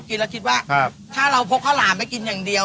คนลาวคนอะไรอย่างนี้